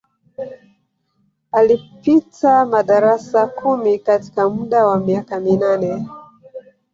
Alipita madarasa kumi katika muda wa miaka minane